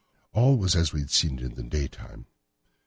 All was as we had seen it in the daytime.